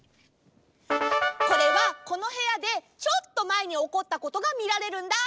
これはこのへやでちょっとまえにおこったことがみられるんだ。